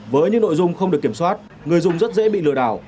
với những nội dung không được kiểm soát người dùng rất dễ bị lừa đảo